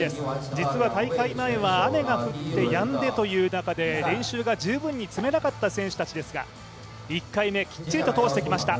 実は大会前は雨が降って、やんでという中で練習が十分に積めなかった選手たちですが１回目、きっちりと通してきました、